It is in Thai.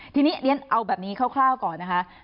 ทีนี้เรียนเอาแบบนี้คร่าวก่อนนะคะ